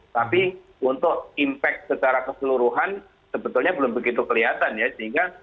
tapi untuk impact secara keseluruhan sebetulnya belum begitu kelihatan ya